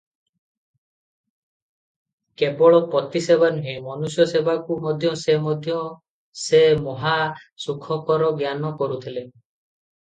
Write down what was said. କେବଳ ପତିସେବା ନୁହେଁ, ମନୁଷ୍ୟ ସେବାକୁ ମଧ୍ୟ ସେ ମଧ୍ୟ ସେ ମହାସୁଖକର ଜ୍ଞାନ କରୁଥିଲେ ।